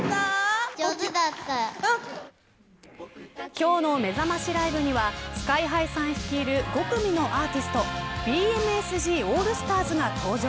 今日のめざましライブにはＳＫＹ−ＨＹさん率いる５組のアーティストＢＭＳＧＡＬＬＳＴＡＲＳが登場。